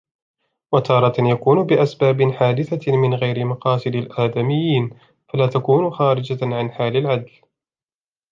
وَتَارَةً يَكُونُ بِأَسْبَابٍ حَادِثَةٍ مِنْ غَيْرِ مَقَاصِدِ الْآدَمِيِّينَ فَلَا تَكُونُ خَارِجَةً عَنْ حَالِ الْعَدْلِ